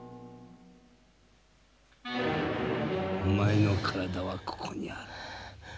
お前の体はここにある。